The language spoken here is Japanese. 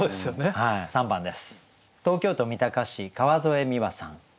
はい３番です。